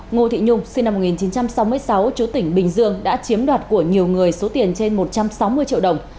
ngô thị nhung sinh năm một nghìn chín trăm sáu mươi sáu chú tỉnh bình dương đã chiếm đoạt của nhiều người số tiền trên một trăm sáu mươi triệu đồng